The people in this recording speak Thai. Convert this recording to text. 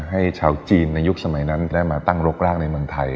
ให้ชาวจีนในยุคสมัยนั้นได้มาตั้งรกร่างในเมืองไทย